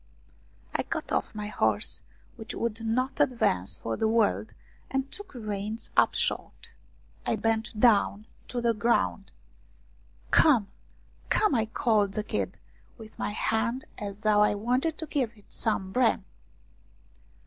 I got oflF my horse, which would not advance for the world, and took the reins up short. I bent down to the ground. AT MANJOALA'S INN 45 " Come, come !" I called the kid, with my hand as though I wanted to give it some bran.